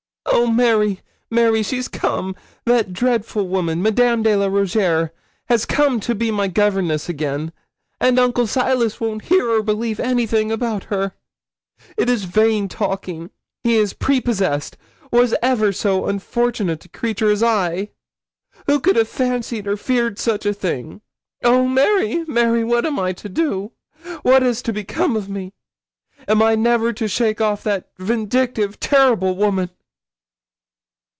'Oh, Mary, Mary, she's come that dreadful woman, Madame de la Rougierre, has come to be my governess again; and Uncle Silas won't hear or believe anything about her. It is vain talking; he is prepossessed. Was ever so unfortunate a creature as I? Who could have fancied or feared such a thing? Oh, Mary, Mary, what am I to do? what is to become of me? Am I never to shake off that vindictive, terrible woman?'